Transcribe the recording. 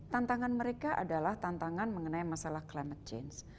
tantangan mereka adalah tantangan mengenai masalah climate change